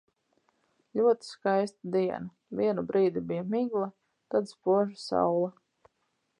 Ļoti skaista diena – vienu brīdi bija migla, tad spoža saule.